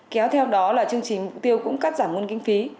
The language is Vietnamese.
kéo theo đó là chương trình mục tiêu cũng cắt giảm nguồn kinh phí